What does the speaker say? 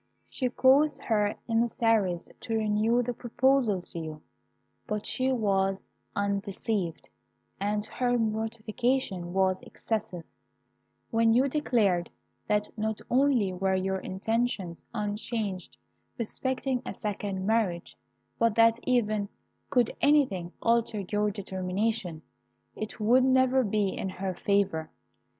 She caused her emissaries to renew the proposal to you; but she was undeceived, and her mortification was excessive, when you declared that not only were your intentions unchanged respecting a second marriage, but that even, could anything alter your determination, it would never be in her favour.